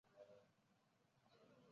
首府尼古拉耶夫。